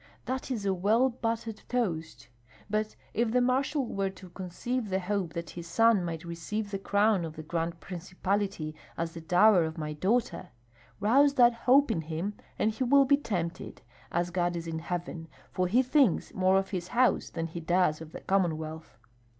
That is a well buttered toast! But if the marshal were to conceive the hope that his son might receive the crown of the Grand Principality as the dower of my daughter! Rouse that hope in him and he will be tempted, as God is in heaven, for he thinks more of his house than he does of the Commonwealth."